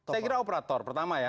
saya kira operator pertama ya